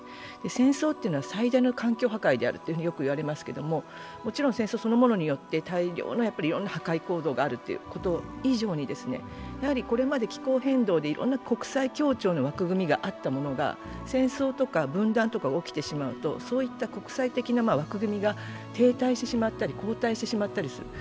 戦争っていうのは最大の環境破壊であるとよく言われますけれどももちろん戦争そのものによって大量の破壊行動があるということ以上に、これまで気候変動でいろんな国際協調の枠組みがあったものが戦争とか分断とかが起きてしまうと、そういった国際的な枠組みが停滞してしまったり後退してしまったりする。